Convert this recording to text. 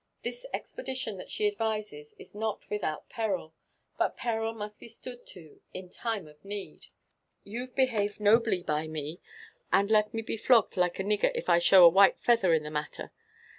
This expedition that she advises is not without peril ; but peril must be stood to in time of need. You've behaved nobly by me, and let me be flogged like a nigger if I show a white feather in the matter!